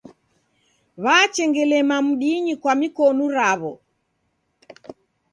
W'achengelema mdinyi kwa mikonu raw'o.